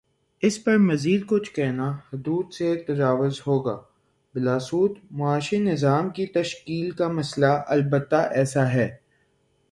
اس پر مزیدکچھ کہنا حدود سے تجاوز ہوگا بلاسود معاشی نظام کی تشکیل کا مسئلہ البتہ ایسا ہے۔